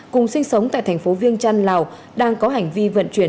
cùng sinh sống tại thành phố viêng trăn lào đang có hành vi vận chuyển